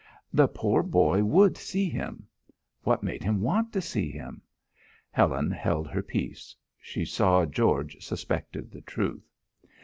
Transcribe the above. "The poor boy would see him." "What made him want to see him?" Helen held her peace. She saw George suspected the truth.